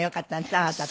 あなたが。